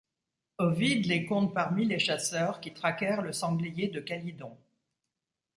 Ovide les compte parmi les chasseurs qui traquèrent le sanglier de Calydon.